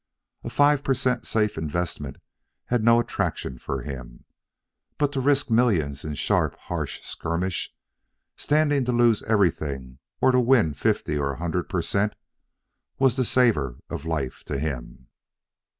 A five per cent safe investment had no attraction for him; but to risk millions in sharp, harsh skirmish, standing to lose everything or to win fifty or a hundred per cent, was the savor of life to him.